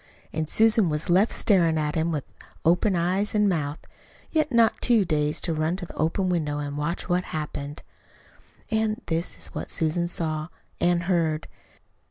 And Susan was left staring at him with open eyes and mouth yet not too dazed to run to the open window and watch what happened. And this is what Susan saw and heard.